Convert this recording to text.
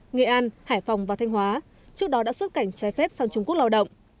nghệ an hải phòng và thanh hóa trước đó đã xuất cảnh trái phép sang trung quốc lao động